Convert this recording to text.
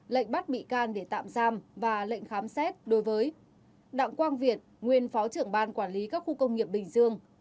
lệnh bắt bị can để tạm giam và lệnh khám xét đối với đặng quang việt nguyên phó trưởng ban quản lý các khu công nghiệp bình dương